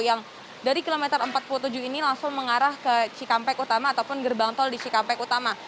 yang dari kilometer empat puluh tujuh ini langsung mengarah ke cikampek utama ataupun gerbang tol di cikampek utama